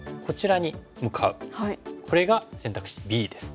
これが選択肢Ｂです。